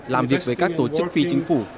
làm việc với các tổ chức phi chính phủ